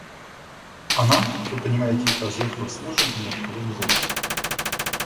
Она, вы понимаете, разъехалась с мужем, ни от кого не зависит.